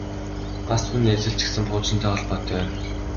Бас түүний ажил ч гэсэн пуужинтай холбоотой.